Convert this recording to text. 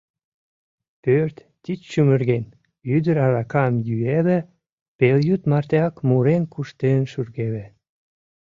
Пӧрт тич чумырген, ӱдыр аракам йӱэве, пелйӱд мартеак мурен-куштен шургеве.